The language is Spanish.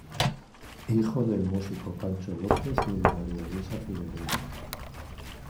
Hijo del músico Pancho López y de María Luisa Figueredo.